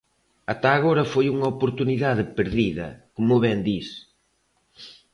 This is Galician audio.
Ata agora foi unha oportunidade perdida, como ben dis.